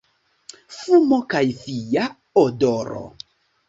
Fumo kaj fia odoro.